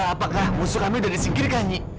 apakah musuh kami sudah disingkirkan nyai